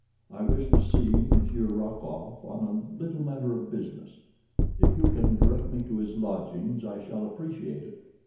"I wish to see Monsieur Rokoff on a little matter of business. If you can direct me to his lodgings I shall appreciate it."